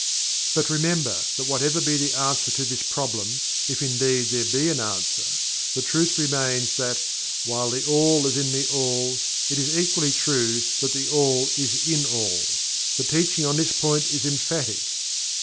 But, remember, that whatever be the answer to this problem, if indeed there be an answer the truth remains that: "While All is in THE ALL, it is equally true that THE ALL is in All." The Teaching on this point is emphatic.